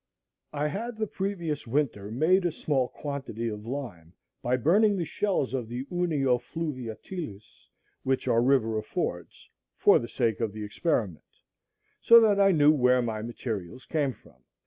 I had the previous winter made a small quantity of lime by burning the shells of the Unio fluviatilis, which our river affords, for the sake of the experiment; so that I knew where my materials came from.